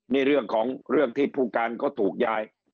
นี่เรื่องของเรื่องที่ผู้การเขาถูกย้าย